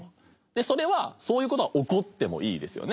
それはそういうことは起こってもいいですよね。